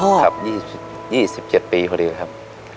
ครับ๒๗ปีพอดีครับ